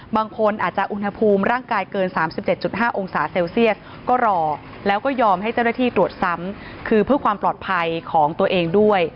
บางคนอาจจะอุณหภูมิร่างกายเกิน๓๗๕องศาเซลเซียสก็รอแล้วก็ยอมให้เจ้าหน้าที่ตรวจซ้ำคือเพื่อความปลอดภัยของตัวเองด้วย